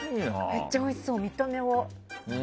めっちゃおいしそう見た目は。